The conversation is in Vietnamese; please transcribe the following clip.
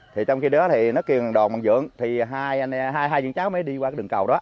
thì trong khi đó nó kêu đoàn bằng dưỡng thì hai dân cháu mới đi qua đường cầu đó